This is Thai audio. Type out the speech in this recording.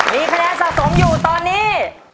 มีคะแนนสะสมอยู่ตอนนี้